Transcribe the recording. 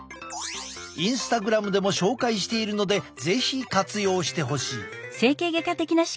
インスタグラムでも紹介しているので是非活用してほしい。